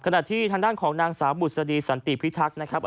ขณะที่ทางด้านของนางสาวบุษดีสันติพิทักษ์นะครับ